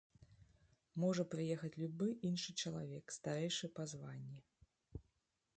Можа прыехаць любы іншы чалавек, старэйшы па званні.